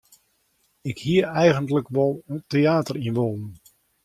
Ik hie eigentlik wol it teäter yn wollen.